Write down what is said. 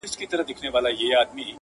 اشنا مي پاته په وطن سو!